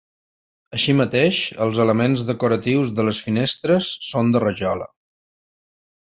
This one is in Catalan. Així mateix, els elements decoratius de les finestres són de rajola.